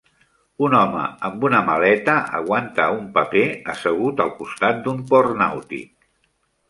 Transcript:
Un home amb una maleta aguanta un paper assegut al costat d'un port nàutic.